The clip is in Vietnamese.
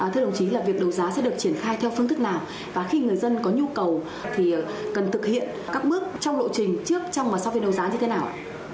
thưa đồng chí là việc đấu giá sẽ được triển khai theo phương thức nào và khi người dân có nhu cầu thì cần thực hiện các bước trong lộ trình trước trong và sau phiên đấu giá như thế nào